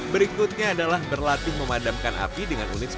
berikutnya adalah berlatih memadamkan api dengan unit sepeda